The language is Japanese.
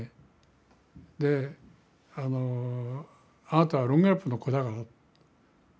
「あなたはロンゲラップの子だから」。